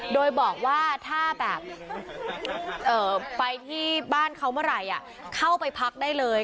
โดยบอกว่าถ้าแบบไปที่บ้านเขาเมื่อไหร่เข้าไปพักได้เลย